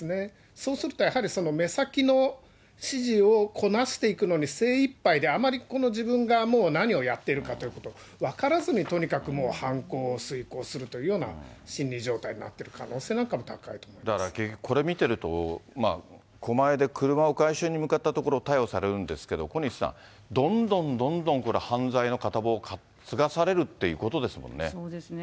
そうするとやはり、目先の指示をこなしていくのに精いっぱいで、あまり自分がもう何をやっているかということを分からずにとにかく犯行を遂行するというような心理状態になってる可能性なんかもだから結局、これ見てると、狛江で車を回収に向かったところ、逮捕されるんですけれど、小西さん、どんどんどんどんこれ、犯罪の片棒を担がされるってことですもんそうですね。